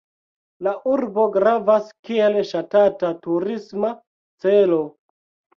La urbo gravas kiel ŝatata turisma celo.